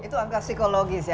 itu agak psikologis ya